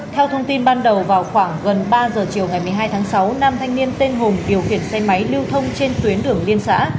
theo thông tin ban đầu vào khoảng gần ba giờ chiều ngày một mươi hai tháng sáu nam thanh niên tên hùng điều khiển xe máy lưu thông trên tuyến đường liên xã